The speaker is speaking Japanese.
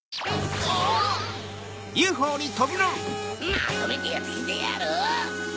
まとめてやっつけてやる！